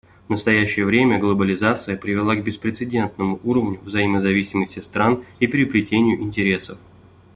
В настоящее время глобализация привела к беспрецедентному уровню взаимозависимости стран и переплетению интересов.